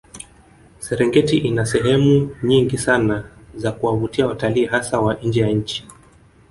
Serengeti ina sehemu nyingi Sana za kuwavutia watalii hasa wa nje ya nchi